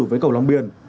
với cầu long biên